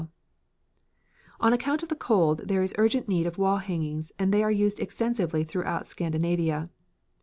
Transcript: Colours: blue and white] On account of the cold there is urgent need of wall hangings, and they are used extensively throughout Scandinavia.